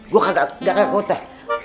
gue kagak kagak kuat deh